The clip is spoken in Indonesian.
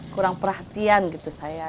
kurang perhatian gitu saya